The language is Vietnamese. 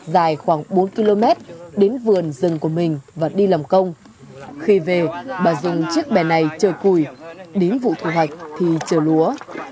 dài khoảng bốn km đến vườn rừng của mình và đi làm công khi về bà dùng chiếc bẻ này chờ cùi đến vụ thu hoạch thì chờ lúa